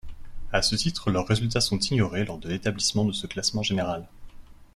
À ce titre, leurs résultats sont ignorés lors de l'établissement de ce classement général.